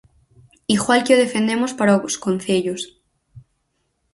Igual que o defendemos para os concellos.